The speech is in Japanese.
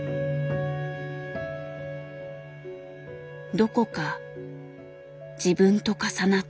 どこか自分と重なった。